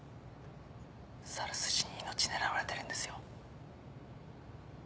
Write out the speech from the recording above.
さる筋に命狙われてるんですよ。